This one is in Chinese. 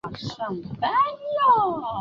英国是最早建造铁路的国家。